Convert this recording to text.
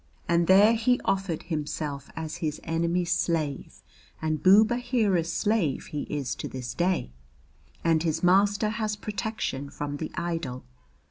And there he offered himself as his enemy's slave, and Boob Aheera's slave he is to this day, and his master has protection from the idol.